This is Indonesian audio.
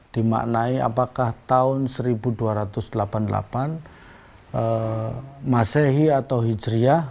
dimaknai apakah tahun seribu dua ratus delapan puluh delapan masehi atau hijriah